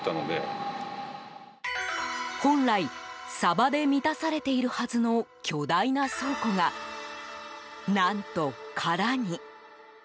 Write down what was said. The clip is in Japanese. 本来、サバで満たされているはずの巨大な倉庫が何と空に。